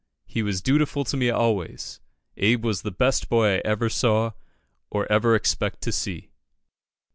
He was dutiful to me always. Abe was the best boy I ever saw, or ever expect to see."